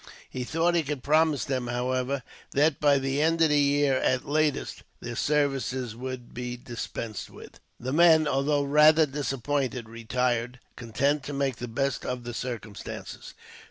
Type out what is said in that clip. He thought he could promise them, however, that by the end of the year, at latest, their services would be dispensed with. The men, although rather disappointed, retired, content to make the best of the circumstances.